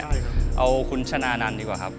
เราจะเอาคุณชนะนันดีกว่าครับ